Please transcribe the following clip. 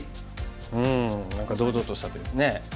うん何か堂々とした手ですね。